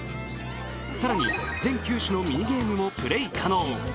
更に、全９種のミニゲームもプレー可能。